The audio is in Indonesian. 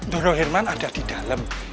nuro herman ada di dalam